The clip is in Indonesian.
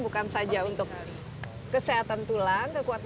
bukan saja untuk kesehatan tulang